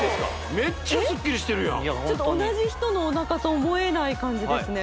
めっちゃスッキリしてるやん同じ人のお腹と思えない感じですね